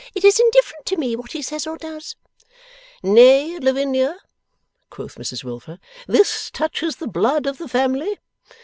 'It is indifferent to me what he says or does.' 'Nay, Lavinia,' quoth Mrs Wilfer, 'this touches the blood of the family.